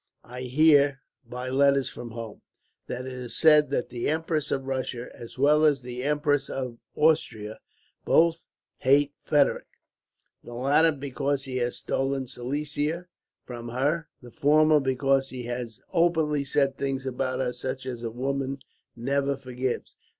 I hear, by letters from home, that it is said that the Empress of Russia, as well as the Empress of Austria, both hate Frederick; the latter because he has stolen Silesia from her; the former because he has openly said things about her such as a woman never forgives.